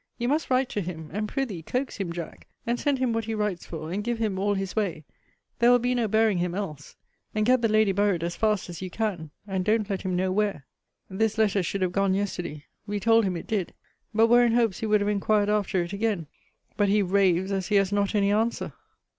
You must write to him; and pr'ythee coax him, Jack, and send him what he writes for, and give him all his way there will be no bearing him else. And get the lady buried as fast as you can; and don't let him know where. This letter should have gone yesterday. We told him it did. But were in hopes he would have inquired after it again. But he raves as he has not any answer.